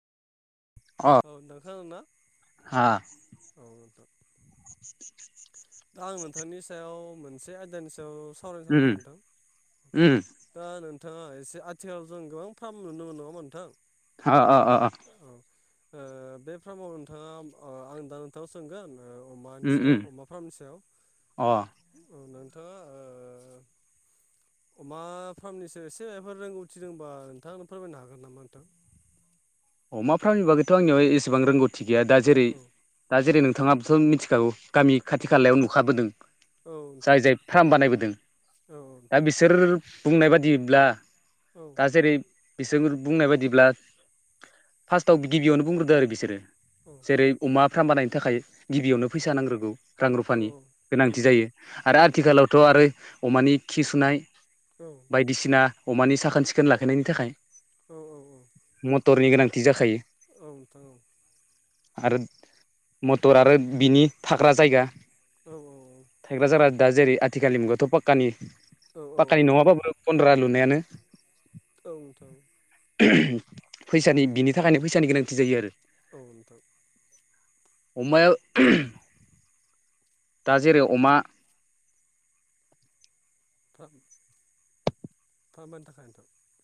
अ औ नोंथांङानो ना हा औ नोंथां। दा आं नोंथांनि सायाव मोनसे आयदानि सायाव सावरायनो उम सानदोंमोन उम नोंथां। दा नोंथाङा एसे आथिखालाव जों गोबां फार्म नुनो मोनो नङा ओनबा नोंथां। [unintelligible] औ ओ बे फार्माव नोंथाङा ओ आं दा नोंथाङाव सोंगोन। ओ मानि उम सायाव उम अमा फार्मनि सायाव अ नोंथाङा ओ अमा फार्मनिसो एसेफोर रोंगौथि दंबा नोंथांङा फोरमायनो हागोन नामा नोंथां। अमा फार्मनि बागैथ' आंनियावाय एसेबां रोंगौथि गैया दा जेरै औ दा औ जेरै नोंथाङाबोथ' मिथिखागौ, गामि औ खाथि खालायाव नुखाबोदों औ नोंथां जाय जाय फार्म बानायबोदों। औ दा नोंथां बिसोर बुंनाय बादिब्ला। औ दा जेरै बिसोर बुंनाय बायदिब्ला फार्स्टआव गिबियावनो बुंग्रोदो आरो बिसोरो जेरै अमा फार्म बानायनो थाखाय गिबियावनो औ औ फैसा नांग्रोगौ रां रुफानि औ गोनांथि नोंथां जायो आरो आथिखालावथ थ' आरो अमानि खि सुनाय औ बायदिसिना अमानि साखोन सिखोन लाखिनायनि थाखाय औ औ औ। टरनि गोनांथि जाखायो। औ नोंथां औ आरो मटर आरो बिनि थाग्रा जायगा औ औ औ। थायग्रा जारा दा जेरै आथिखालनि मुगायावाथ' पाक्कानि औ औ पाखकानि नोंथां नङाबाबो गन्द्रा लुनायानो। औ नोंथां। फैसानि बिनि थाखायनो फैसानि गोनांथि जायो आरो। औ नोंथां। अमाया दा जेरै अमा फार्म फार्मानि थाखाय नोंथां।